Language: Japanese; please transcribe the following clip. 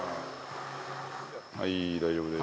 はい大丈夫です。